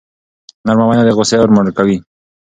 نرمه وینا د غصې اور مړ کوي.